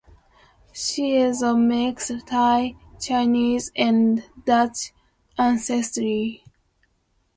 She is of mixed Thai, Chinese, and Dutch ancestry.